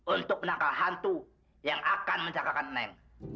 untuk menangkap hantu yang akan menjahilkan aku